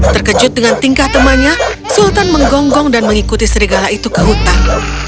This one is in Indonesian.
terkejut dengan tingkah temannya sultan menggonggong dan mengikuti serigala itu ke hutan